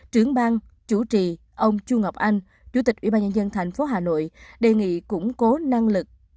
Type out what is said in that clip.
trưởng bang chủ trì ông chu ngọc anh chủ tịch ủy ban nhân dân tp hà nội đề nghị củng cố năng lực